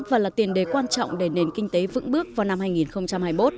và là tiền đề quan trọng để nền kinh tế vững bước vào năm hai nghìn hai mươi một